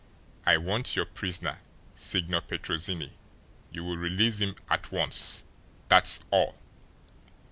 I want your prisoner, Signor Petrozinni you will release him at once! That's all!"